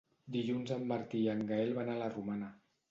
Dilluns en Martí i en Gaël van a la Romana.